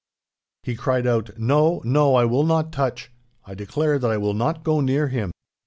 He cried out, 'No, no, I will not touch. I declare that I will not go near him!